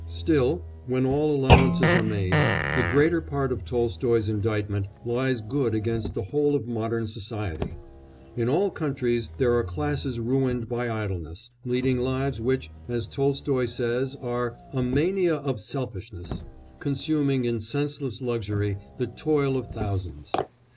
Still, when all allowances are made, the greater part of Tolstoy's indictment lies good against the whole of modern society: in all countries there are classes ruined by idleness, leading lives which, as Tolstoy says, are "a mania of selfishness," consuming in senseless luxury the toil of thousands.